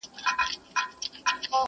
که دي چیري په هنیداري کي سړی و تېرایستلی.